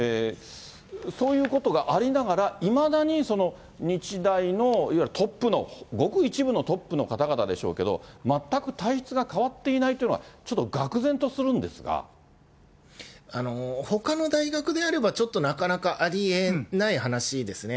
そういうことがありながらいまだに日大のいわゆるトップの、ごく一部のトップの方々でしょうけど、全く体質が変わっていないというのが、ほかの大学であれば、ちょっとなかなかありえない話ですね。